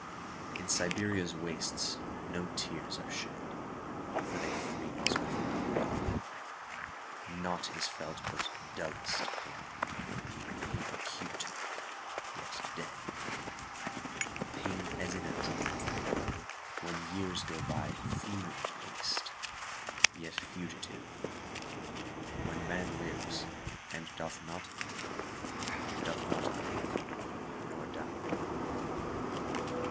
In Siberia's wastesNo tears are shed, For they freeze within the brain. Naught is felt but dullest pain, Pain acute, yet dead; Pain as in a dream, When years go byFuneral paced, yet fugitive, When man lives, and doth not live, Doth not live—nor die.